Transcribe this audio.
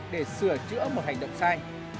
để sửa chữa một hành động sai